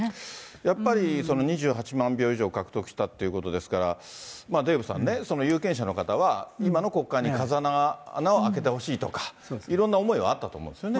やっぱり、２８万票以上獲得したっていうことですから、デーブさんね、有権者の方は今の国会に風穴を開けてほしいとか、いろんな思いはあったと思うんですよね。